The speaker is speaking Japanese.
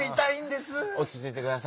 おちついてくださいスワさん。